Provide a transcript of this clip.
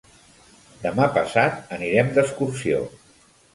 Demà passat anirem d'excursió.